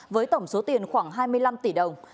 với tổng số tiền khoảng hai mươi năm tỷ đồng